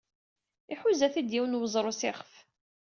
Iḥuza-t-id yiwen weẓru s iɣef.